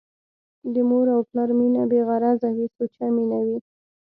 د مور او پلار مينه بې غرضه وي ، سوچه مينه وي